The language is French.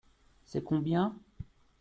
C’est combien ?